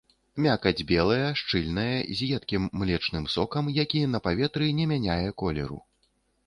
Мякаць белая, шчыльная, з едкім млечным сокам, які на паветры не мяняе колеру.